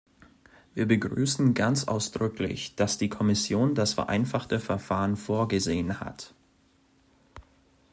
Wir begrüßen ganz ausdrücklich, dass die Kommission das vereinfachte Verfahren vorgesehen hat.